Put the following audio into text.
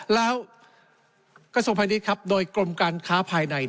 แล้วกระทรวงพาณิชย์ครับโดยกรมการค้าภายใน